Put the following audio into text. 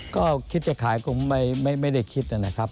ก็คิดจะขายคงไม่ได้คิดนะครับ